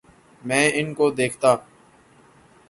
میں ان کو دیکھتا